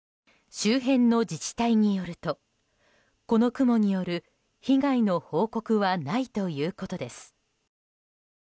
周辺の自治体によるとこの雲による被害の報告はないということです。